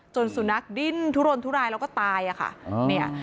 สุนัขดิ้นทุรนทุรายแล้วก็ตายอะค่ะ